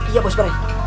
iya bos brai